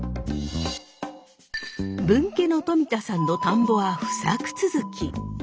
分家の富田さんの田んぼは不作続き。